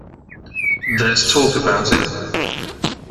There's talk about it.